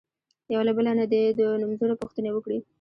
یو له بله نه دې د نومځرو پوښتنې وکړي.